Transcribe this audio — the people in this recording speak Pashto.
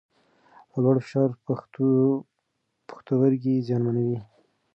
لوړ فشار پښتورګي زیانمنوي.